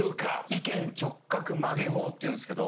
意見直角曲げ法っていうんすけど。